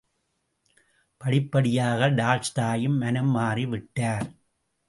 படிப்படியாக டால்ஸ்டாயும் மனம் மாறிவிட்டார்.